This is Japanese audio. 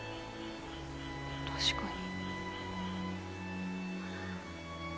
確かに。